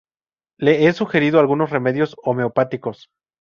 Le he sugerido algunos remedios homeopáticos.